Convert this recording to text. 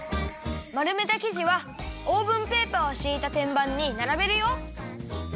まるめたきじはオーブンペーパーをしいたてんばんにならべるよ。